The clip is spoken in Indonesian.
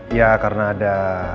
iya karena ada